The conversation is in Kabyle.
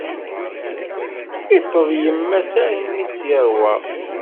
Iṭṭeḍ yemma-s armi i tt-iṛwa.